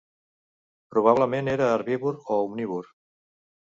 Probablement era herbívor o omnívor.